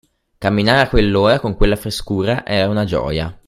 Camminare a quell'ora, con quella frescura, era una gioia.